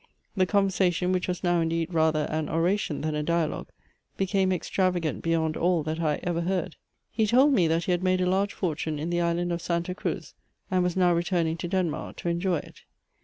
The conversation, which was now indeed rather an oration than a dialogue, became extravagant beyond all that I ever heard. He told me that he had made a large fortune in the island of Santa Cruz, and was now returning to Denmark to enjoy it.